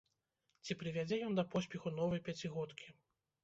Ці прывядзе ён да поспеху новай пяцігодкі?